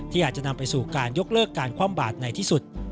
อาจจะนำไปสู่การยกเลิกการคว่ำบาดในที่สุด